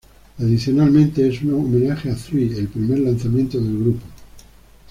Adicionalmente, es una homenaje a "Three", el primer lanzamiento del grupo.